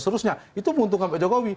seterusnya itu menguntungkan pak jokowi